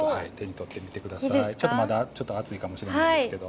ちょっとまだちょっと熱いかもしれないですけど。